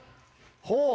ほう。